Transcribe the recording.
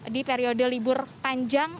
di periode libur panjang